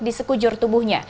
di sekujur tubuhnya